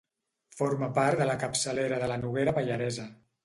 Forma part de la capçalera de la Noguera Pallaresa.